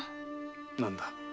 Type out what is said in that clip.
何だ？